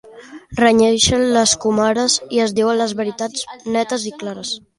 Renyeixen les comares i es diuen les veritats netes i clares.